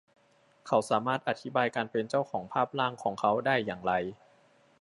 เขาสามารถอธิบายการเป็นเจ้าของภาพร่างของเขาได้อย่างไร